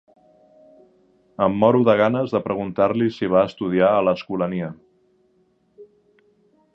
Em moro de ganes de preguntar-li si va estudiar a l'Escolania.